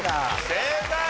正解！